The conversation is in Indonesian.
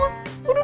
aduh aduh aduh